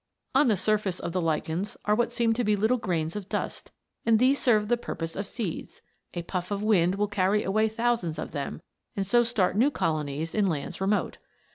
On the surface of the lichens are what seem to be little grains of dust, and these serve the purpose of seeds. A puff of wind will carry away thousands of them, and so start new colonies in lands remote.